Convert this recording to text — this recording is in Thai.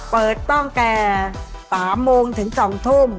เปิดตั้งแต่๓โมงถึง๒ทุ่ม